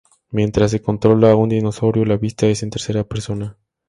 Mientras se controla a un dinosaurio, la vista es en tercera persona.